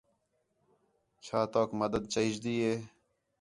چَا تَؤک مدد چاہیجدی ہے؟